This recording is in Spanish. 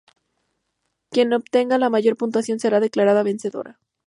Quien obtenga la mayor puntuación será declarada vencedora.